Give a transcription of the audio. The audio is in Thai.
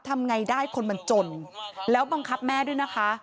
ทำไงได้คนมันจนแล้วบังคับแม่ด้วยนะคะ